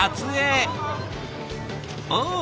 おお！